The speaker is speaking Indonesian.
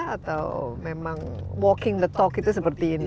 atau memang walking the talk itu seperti ini